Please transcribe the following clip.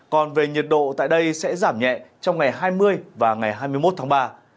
còn về nhiệt độ tại đây sẽ giảm nhẹ trong ngày hai mươi và ngày hai mươi một tháng ba